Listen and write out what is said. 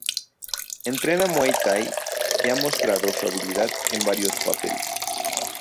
Entrena muay thai, y ha mostrado su habilidad en varios papeles.